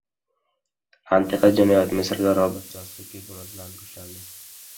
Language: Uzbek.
Antiqa jinoyat: Misrda robot josuslikda gumonlanib ushlandi